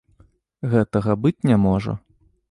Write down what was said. Гэтага быць не можа!